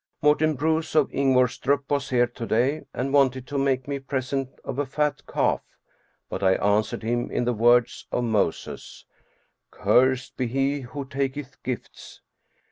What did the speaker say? Morten Bruus of Ingvorstrup was here to day and wanted to make me a present of a fat calf. But I answered him in the words of Moses, " Cursed be he who taketh gifts."